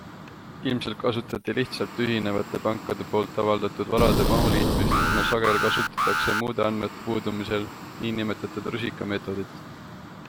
Ilmselt kasutati lihtsalt ühinevate pankade poolt avaldatud varade mahu liitmist, kuna sageli kasutatakse muude andmete puudumisel nn. rusikameetodit.